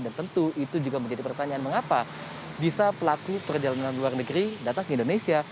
tentu itu juga menjadi pertanyaan mengapa bisa pelaku perjalanan luar negeri datang ke indonesia